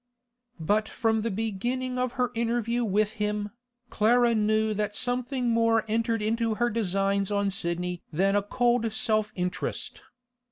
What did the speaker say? But from the beginning of her interview with him, Clara knew that something more entered into her designs on Sidney than a cold self interest.